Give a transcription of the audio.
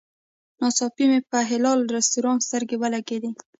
ناڅاپي مې پر حلال رسټورانټ سترګې ولګېدې.